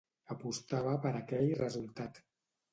Apostava per aquell resultat.